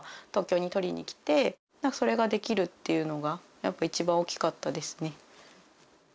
それができるっていうのがやっぱ一番大きかったですね。